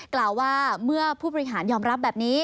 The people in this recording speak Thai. กล่าวว่าเมื่อผู้บริหารยอมรับแบบนี้